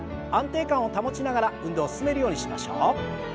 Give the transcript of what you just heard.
安定感を保ちながら運動を進めるようにしましょう。